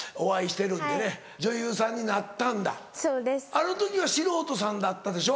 あの時は素人さんだったでしょ？